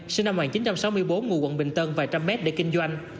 sinh năm một nghìn chín trăm sáu mươi bốn ngụ quận bình tân vài trăm mét để kinh doanh